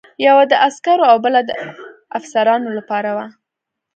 یوه د عسکرو او بله د افسرانو لپاره وه.